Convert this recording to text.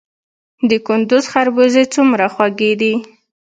د کندز خربوزې څومره خوږې دي؟